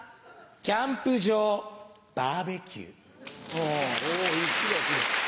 キャンプ場バーベキュー。